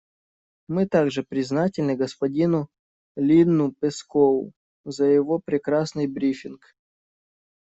Мы также признательны господину Линну Пэскоу за его прекрасный брифинг.